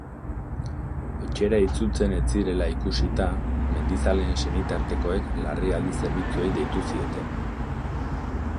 Etxera itzultzen ez zirela ikusita, mendizaleen senitartekoek larrialdi zerbitzuei deitu zieten.